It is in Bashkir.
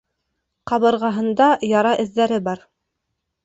Ҡабырғаһында яра эҙҙәре бар.